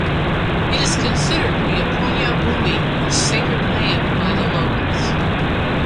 It is considered to be a 'Punya Bhumi' or 'Sacred Land' by the locals.